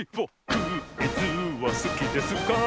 クイズはすきですか？